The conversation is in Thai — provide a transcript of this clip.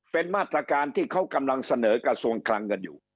เป็นมาตรการที่เขากำลังเสนอกระทรวงคลังกันอยู่